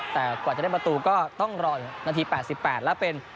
แต่กว่าจะได้ประตูก็ต้องรอนาที๘๘แล้วเป็น